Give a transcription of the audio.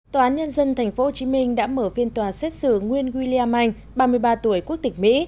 tòa án nhân dân tp hcm đã mở viên tòa xét xử nguyên william anh ba mươi ba tuổi quốc tịch mỹ